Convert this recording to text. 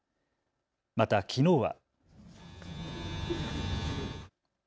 また、きのうは。